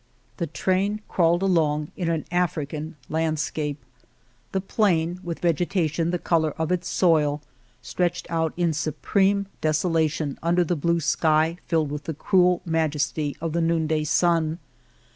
The train crawled along in an African landscape. The plain, with vegetation the color of its soil, stretched out in supreme deso lation under the blue sky filled with the cruel majesty of the noonday sun.